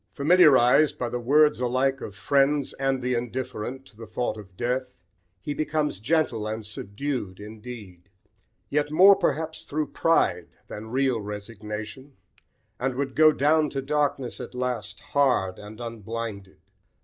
Familiarised, by the words alike of friends and the indifferent, to the thought of death, he becomes gentle and subdued indeed, yet more perhaps through pride than real resignation, and would go down to darkness at last hard and unblinded.